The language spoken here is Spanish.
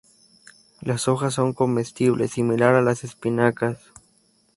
Las hojas son comestibles, similar a las espinacas.